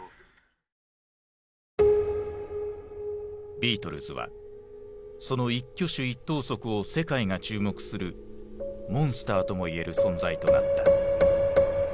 ビートルズはその一挙手一投足を世界が注目するモンスターともいえる存在となった。